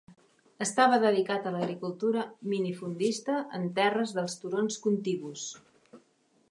Estava dedicat a l'agricultura minifundista en terres dels turons contigus.